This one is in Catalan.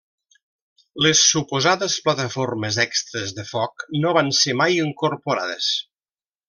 Les suposades plataformes extres de foc no van ser mai incorporades.